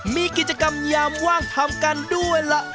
มีกิจกรรมยามว่างทำกันด้วยล่ะ